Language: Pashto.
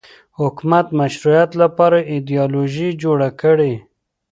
حکومت مشروعیت لپاره ایدیالوژي جوړه کړي